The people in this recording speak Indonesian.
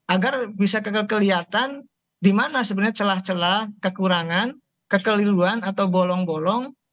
agar bisa kelihatan di mana sebenarnya celah celah kekurangan kekeliruan atau bolong bolong